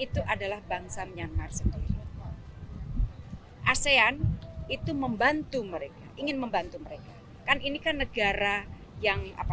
itu adalah bangsa bangsa asean itu membantu merek ingin membantu kan ini kan negara yang apa